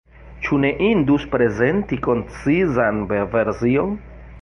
Ĉu ne indus prezenti koncizan version?